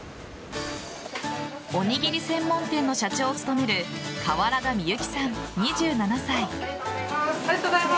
おにぎり専門店の社長を務める川原田美雪さん、２７歳。